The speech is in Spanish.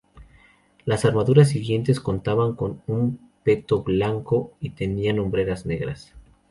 Las armaduras siguientes contaban con un peto blanco, y tenían hombreras negras.